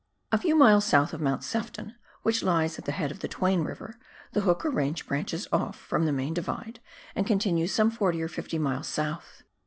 A few miles south of Mount Sefton, which lies at the head of the Twain Piver, the Hooker range branches ofi" from the main Divide and continues some forty or fifty miles south.